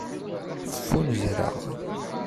Ffunzreɣ.